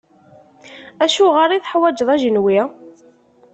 Acuɣer i teḥwaǧeḍ ajenwi?